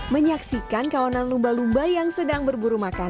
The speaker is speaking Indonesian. menyaksikan kawanan lumba lumba yang sedang berburu makanan